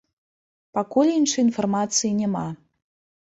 Пакуль іншай інфармацыі няма.